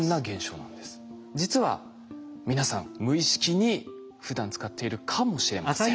実は皆さん無意識にふだん使っているかもしれません。